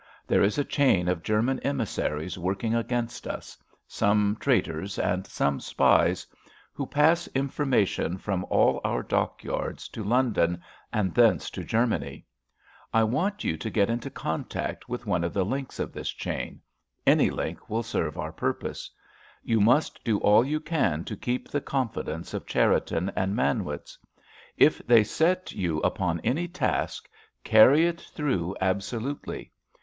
There is a chain of German emissaries working against us—some traitors and some spies—who pass information from all our dockyards to London, and thence to Germany. I want you to get into contact with one of the links of this chain—any link will serve our purpose. You must do all you can to keep the confidence of Cherriton and Manwitz. If they set you upon any task, carry it through absolutely.